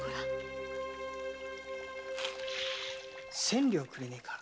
千両くれねぇか。